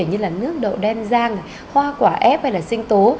như là nước độ đen rang hoa quả ép hay là sinh tố